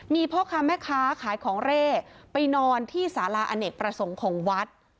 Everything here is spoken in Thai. มีพ่อค้าแม่ค้าขายของเร่ไปนอนที่สาราอเนกประสงค์ของวัด